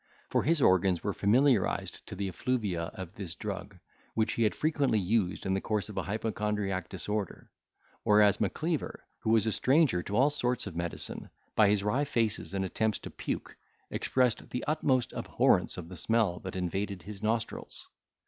For his organs were familiarised to the effluvia of this drug, which he had frequently used in the course of an hypochondriac disorder; whereas Macleaver, who was a stranger to all sorts of medicine, by his wry faces and attempts to puke, expressed the utmost abhorrence of the smell that invaded his nostrils.